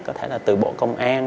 có thể là từ bộ công an